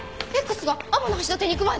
Ｘが天橋立に行く前だ！